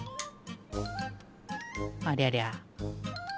ありゃりゃ。